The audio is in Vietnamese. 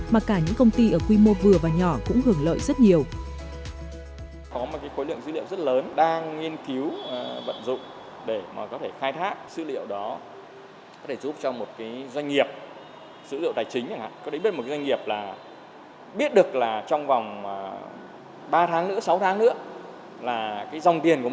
mà cả những công ty ở quy mô vừa và nhỏ cũng hưởng lợi rất nhiều